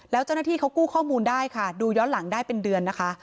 แล้วเจ้าหน้าที่เขากู้ข้อมูลได้ค่ะดูย้อนหลังได้เป็นเดือนนะคะ